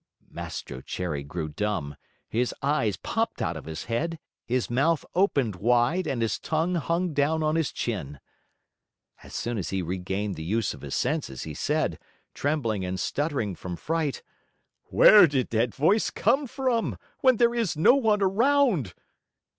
Mastro Cherry grew dumb, his eyes popped out of his head, his mouth opened wide, and his tongue hung down on his chin. As soon as he regained the use of his senses, he said, trembling and stuttering from fright: "Where did that voice come from, when there is no one around?